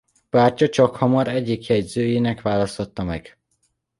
Pártja csakhamar egyik jegyzőjének választotta meg.